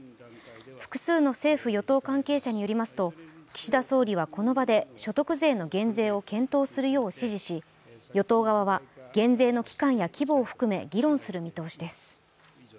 複数の政府・与党関係者によりますと岸田総理はこの場で所得税の減税を検討するよう指示し与党側は減税の期間や規模を含め議論する見通しです。